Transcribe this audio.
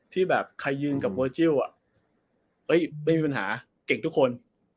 ที่แบบใครยืนกับเวอร์จิลไม่มีปัญหาเก่งทุกคน